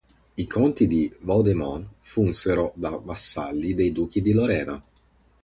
I conti di Vaudémont funsero da vassalli dei duchi di Lorena.